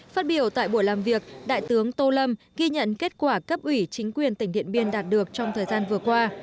phát biểu tại buổi làm việc đại tướng tô lâm ghi nhận kết quả cấp ủy chính quyền tỉnh điện biên đạt được trong thời gian vừa qua